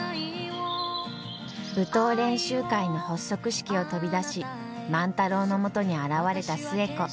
舞踏練習会の発足式を飛び出し万太郎のもとに現れた寿恵子。